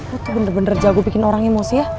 lu tuh bener bener jago bikin orang emosi ya